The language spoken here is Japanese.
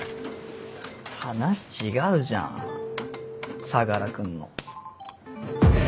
話違うじゃん相楽君の。